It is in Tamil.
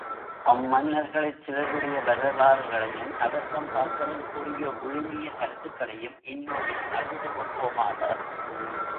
அம் மன்னர்களிற் சிலருடைய வரலாறு களையும், அவர்தம் பாக்களில் கூறிய விழுமிய கருத்துக்களையும் இந்நூலில் அறிந்து கொள்வோமாக.